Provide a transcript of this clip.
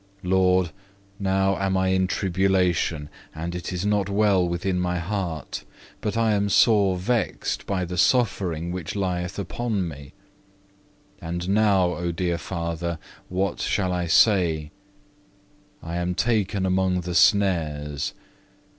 Lord, now am I in tribulation, and it is not well within my heart, but I am sore vexed by the suffering which lieth upon me. And now, O dear Father, what shall I say? I am taken among the snares.